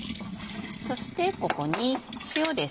そしてここに塩です。